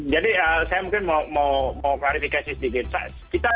jadi saya mungkin mau clarifikasi sedikit